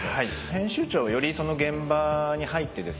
編集長よりその現場に入ってですね